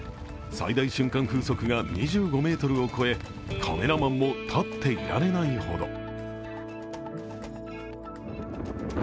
最大瞬間風速が２５メートルを超えカメラマンも立っていられないほど。